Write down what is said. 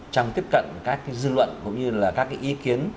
trong tiếp cận các dư luận cũng như là các ý kiến